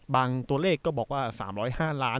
ตัวเลขก็บอกว่า๓๐๕ล้าน